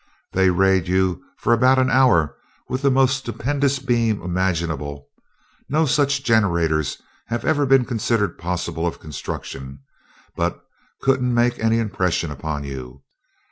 They rayed you for about an hour with the most stupendous beams imaginable no such generators have ever been considered possible of construction but couldn't make any impression upon you.